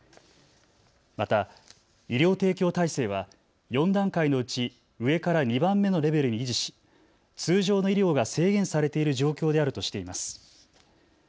また、医療提供体制は４段階のうち、上から２番目のレベルに維持し通常の医療が制限されている状況であるとしています。